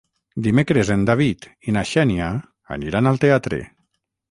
Dimecres en David i na Xènia aniran al teatre.